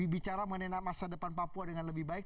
bicara mengenai masa depan papua dengan lebih baik